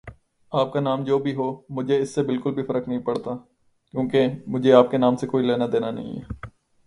Carmen Cavallaro was born in New York City.